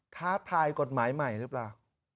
ท้าทายกฎหมายใหม่หรือเปล่า